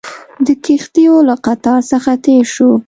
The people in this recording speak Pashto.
د کښتیو له قطار څخه تېر شوو.